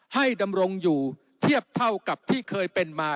ดำรงอยู่เทียบเท่ากับที่เคยเป็นมา